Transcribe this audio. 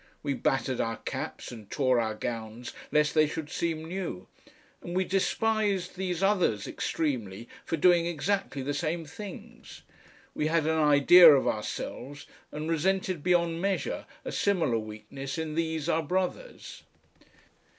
We battered our caps and tore our gowns lest they should seem new, and we despised these others extremely for doing exactly the same things; we had an idea of ourselves and resented beyond measure a similar weakness in these our brothers.